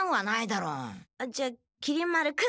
じゃきり丸君。